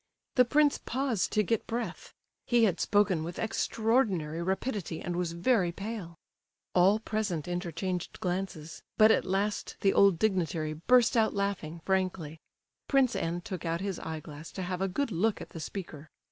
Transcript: The prince paused to get breath. He had spoken with extraordinary rapidity, and was very pale. All present interchanged glances, but at last the old dignitary burst out laughing frankly. Prince N. took out his eye glass to have a good look at the speaker.